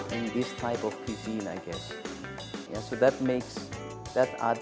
jadi ada perubahan yang lebih tinggi dalam kuisinan seperti ini